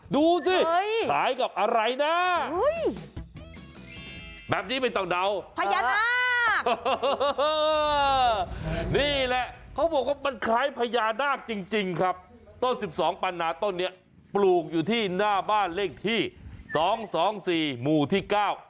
ดูซิปลูกอยู่ที่ที่หน้าบ้านเลขที่๒๒๔หมู่ที่๙